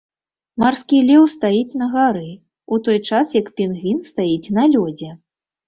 Марскі леў стаіць на гары, у той час як пінгвін стаіць на лёдзе.